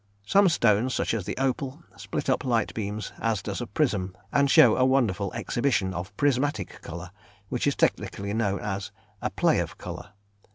Some stones, such as the opal, split up the light beams as does a prism, and show a wonderful exhibition of prismatic colour, which is technically known as a "play of colour."